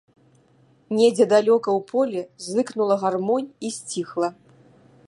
Недзе далёка ў полі зыкнула гармонь і сціхла.